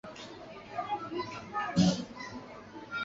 五四时期李大钊为馆长。